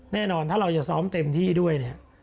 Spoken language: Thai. แน่นอนถ้าเราจะซ้อมเต็มที่ด้วยเนี่ย